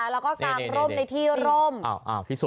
แล้วก็กางร่มในที่ร่ม